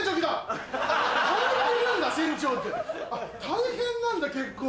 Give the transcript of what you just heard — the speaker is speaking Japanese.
大変なんだ結構。